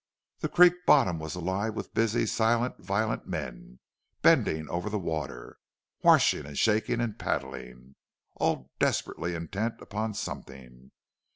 The creek bottom was alive with busy, silent, violent men, bending over the water, washing and shaking and paddling, all desperately intent upon something.